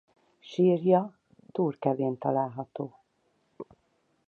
Sírja Túrkevén található.